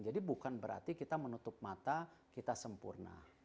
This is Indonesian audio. jadi bukan berarti kita menutup mata kita sempurna